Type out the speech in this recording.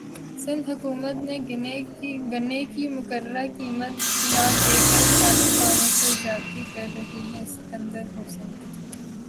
سندھ حکومت گنے کی مقررہ قیمت نہ دیکر کاشتکاروں سے زیادتی کر رہی ہے سکندر بوسن